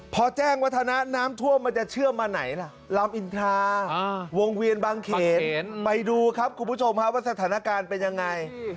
พอแจ้งวัฒนะน้ำท่วมมันจะเชื่อมมาไหนล่ะลำอินทราวงเวียนบางเขนไปดูครับคุณผู้ชมว่าสถานการณ์เป็นยังไง